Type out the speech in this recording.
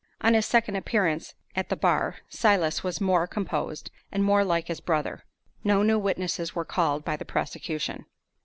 On his second appearance at the "bar," Silas was more composed, and more like his brother. No new witnesses were called by the prosecution.